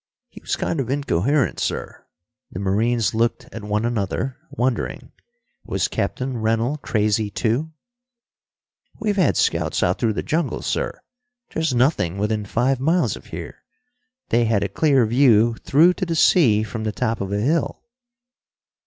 "He was kind of incoherent, sir." The marines looked at one another, wondering. Was Captain Rennell crazy too? "We've had scouts out through the jungle, sir. There's nothing within five miles of here. They had a clear view through to the sea from the top of a hill."